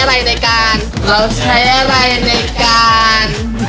เราใช้อะไรในการ